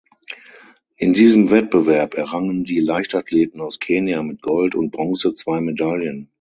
In diesem Wettbewerb errangen die Leichtathleten aus Kenia mit Gold und Bronze zwei Medaillen.